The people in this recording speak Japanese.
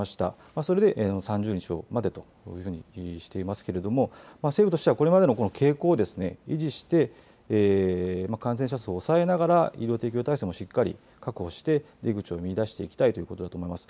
それで３０日までというふうにしていますけれども、政府としては、これまでの傾向を維持して、感染者数を抑えながら、医療提供体制もしっかり確保して、出口を見いだしていきたいということだと思います。